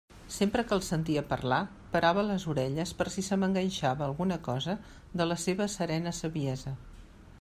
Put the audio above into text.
Sempre que el sentia parlar parava les orelles per si se m'enganxava alguna cosa de la seva serena saviesa.